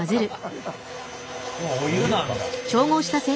お湯なんだ。